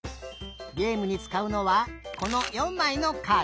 げえむにつかうのはこの４まいのカード。